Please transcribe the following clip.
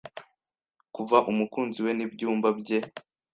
Kuva Umukunzi we n'ibyumba bye